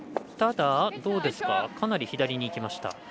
ただ、かなり左にいきました。